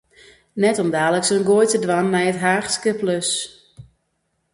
Net om daliks in goai te dwaan nei it Haachske plús.